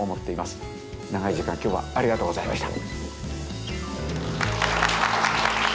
長い時間今日はありがとうございました。